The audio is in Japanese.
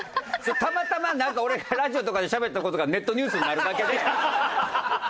たまたまなんか俺がラジオとかでしゃべった事がネットニュースになるだけで。